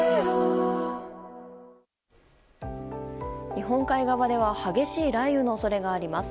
日本海側では激しい雷雨の恐れがあります。